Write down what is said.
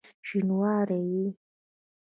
شینواری یې؟!